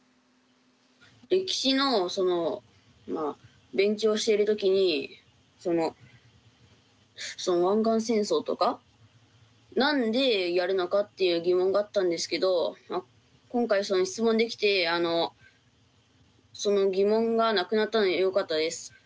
歴史の勉強をしている時に湾岸戦争とか何でやるのかっていう疑問があったんですけど今回質問できてその疑問がなくなったのでよかったです。